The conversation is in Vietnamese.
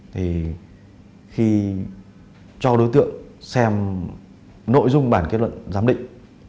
thì khi cho đối tượng xem nội dung bản kết luận giám định